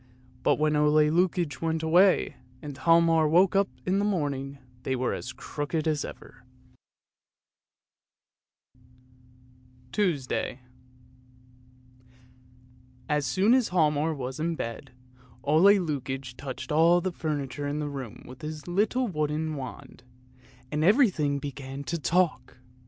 But when Ole Lukoie went away and Hialmar woke up in the morning they were as crooked as ever. OLE LUKOIE, THE DUSTMAN 351 TUESDAY As soon as Hialmar was in bed, Ole Lukoie touched all the furniture in the room with his little wooden wand, and every thing began to talk.